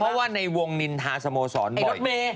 เพราะว่าในวงนินทาสโมศรบ่อยไอ้รถเม